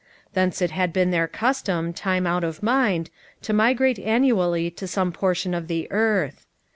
Thence it had been their custom, time out of mind, to migrate annually to some portion of the earth.